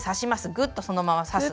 ぐっとそのまま刺す。